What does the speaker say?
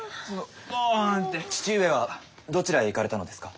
父上はどちらへ行かれたのですか？